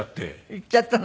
行っちゃったの？